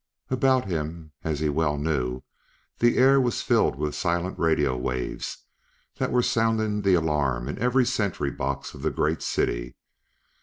About him, as he well knew, the air was filled with silent radio waves that were sounding the alarm in every sentry box of the great city.